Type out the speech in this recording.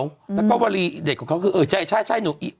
แล้วก็วลีเด็ดของเขาคือเออใช่ใช่หนู